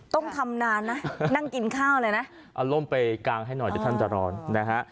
ต้องทำนานนะนั่งกินข้าวเลยนะอารมณ์ไปกางให้หน่อยจะทำตรอนนะฮะ